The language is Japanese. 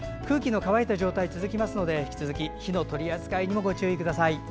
空気の乾いた状態が続きますので引き続き火の取り扱いにご注意ください。